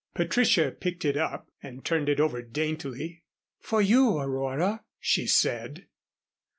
Patricia picked it up and turned it over daintily. "For you, Aurora," she said.